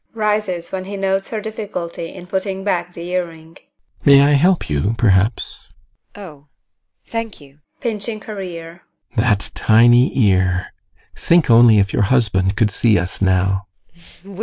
GUSTAV. [Rises when he notes her difficulty in putting back the ear ring] May I help you, perhaps? TEKLA. Oh thank you! GUSTAV. [Pinching her ear] That tiny ear! Think only if your husband could see us now!